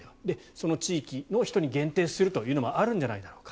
その地域の人に限定するというのもあるんじゃないだろうか。